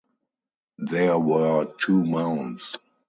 There were two mounds.